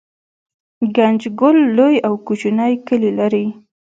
ګنجګل لوی او کوچني کلي لري